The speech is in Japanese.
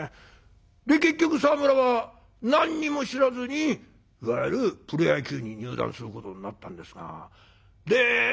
で結局沢村は何にも知らずにいわゆるプロ野球に入団することになったんですが。